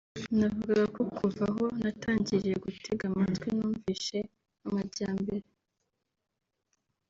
navuga ko kuva aho natangiriye gutega amatwi numvishe amajyambere